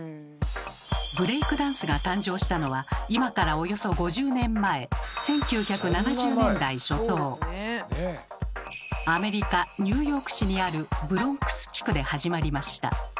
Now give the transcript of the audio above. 「ブレイクダンス」が誕生したのは今からおよそ５０年前アメリカニューヨーク市にあるブロンクス地区で始まりました。